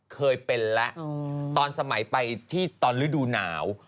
เคยเป็นแล้วตอนสมัยไปที่ตอนฤดูหนาว